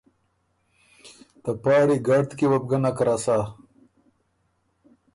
ته پاړی ګړد کی وه بو ګۀ نک رسا۔